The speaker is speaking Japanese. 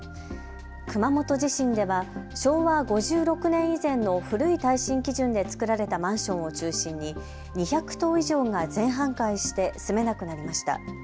熊本地震では昭和５６年以前の古い耐震基準で作られたマンションを中心に２００棟以上が全半壊して住めなくなりました。